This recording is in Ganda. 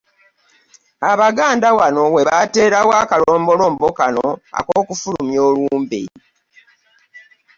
Abaganda wano we bateerawo akalombolombo ano ak'okufulumya olumbe.